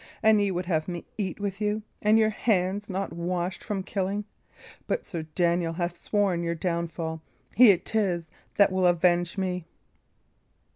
And ye would have me eat with you and your hands not washed from killing? But Sir Daniel hath sworn your downfall. He 'tis that will avenge me!"